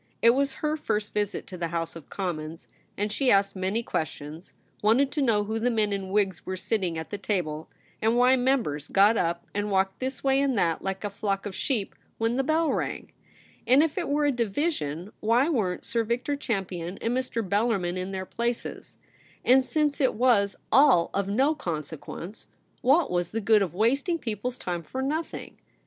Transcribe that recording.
It was her first visit to the House of Commons, and she asked many questions — wanted to know who the men in wigs were sitting at the table, and why members got up and walked this way and that like a flock of sheep when IF YOU WERE queen: 91 the bell rang ; and if it were a division, why weren't Sir Victor Champion and Mr. Bellar min in their places ; and since it was all of no consequence, what was the good of wasting people's time for nothing